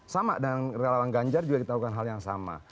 sama dengan relawan ganjar juga kita lakukan hal yang sama